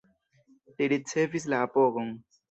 Li ricevis la apogon.